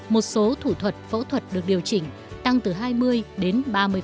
một số thủ thuật phẫu thuật được điều chỉnh tăng từ hai mươi đến ba mươi